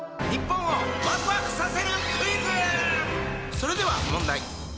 それでは問題！